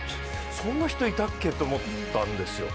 そんな人いたっけと思ったんですよ。